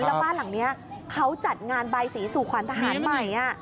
แล้วบ้านหลังนี้เขาจัดงานบายสีสู่ขวัญทหารใหม่